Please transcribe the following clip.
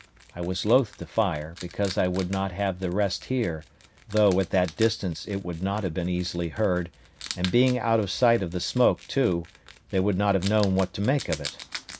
I was loath to fire, because I would not have the rest hear; though, at that distance, it would not have been easily heard, and being out of sight of the smoke, too, they would not have known what to make of it.